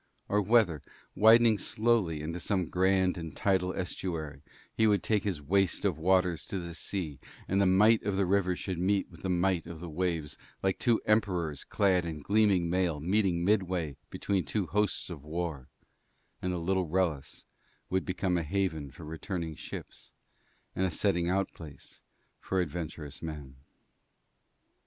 Or whether, widening slowly into some grand and tidal estuary, he would take his waste of waters to the sea and the might of the river should meet with the might of the waves, like to two Emperors clad in gleaming mail meeting midway between two hosts of war; and the little Wrellis would become a haven for returning ships and a setting out place for adventurous men.